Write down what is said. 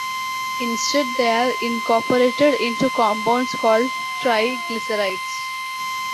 Instead, they are incorporated into compounds called triglycerides.